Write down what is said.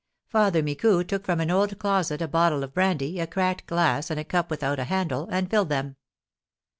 Father Micou took from an old closet a bottle of brandy, a cracked glass, and a cup without a handle, and filled them.